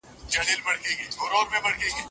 سردار محمد داود خان د پرمختګ د لارې په لټه کي وو.